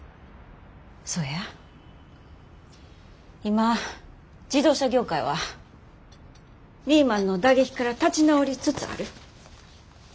今自動車業界はリーマンの打撃から立ち直りつつある。